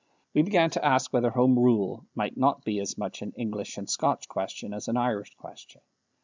We began to ask whether Home Rule might not be as much an English and Scotch question as an Irish question.